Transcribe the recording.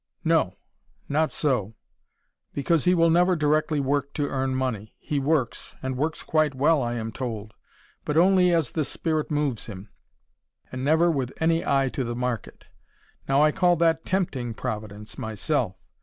"No. Not so. Because he will never directly work to earn money. He works and works quite well, I am told: but only as the spirit moves him, and never with any eye to the market. Now I call that TEMPTING Providence, myself.